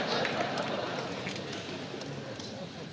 bula balik dah sampaikan turis